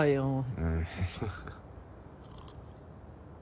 うん。